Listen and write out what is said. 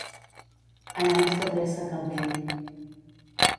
Anar més de pressa que el vent.